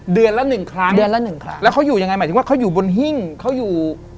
เดือนละหนึ่งครั้งเดือนละหนึ่งครั้งแล้วเขาอยู่ยังไงหมายถึงว่าเขาอยู่บนหิ้งเขาอยู่